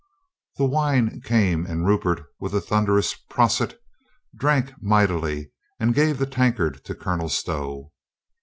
The wine came and Rupert with a thunder ous "Prosit!" drank mightily and gave the tankard to Colonel Stow.